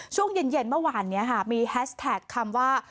ช่วงเย็นเมื่อวานมีแฮสแท็กคำว่า